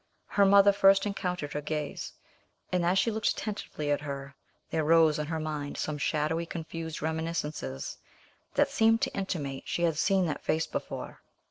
Her mother first encountered her gaze, and as she looked attentively at her, there rose on her mind some shadowy confused reminiscences that seemed to intimate she had seen that face before.